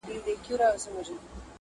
خو د متقي صیب په شمول